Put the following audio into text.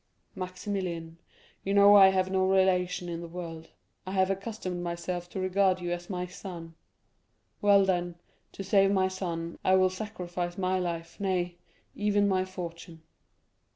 "Maximilian, you know I have no relation in the world. I have accustomed myself to regard you as my son: well, then, to save my son, I will sacrifice my life, nay, even my fortune."